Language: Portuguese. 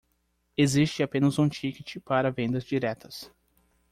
Existe apenas um ticket para vendas diretas